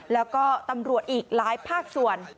แล้วก็ตำรวจอีกหลายภาคส่วน